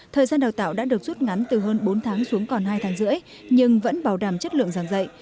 thời gian đào tạo đã được rút ngắn từ hơn bốn tháng xuống còn hai tháng rưỡi nhưng vẫn bảo đảm chất lượng giảng dạy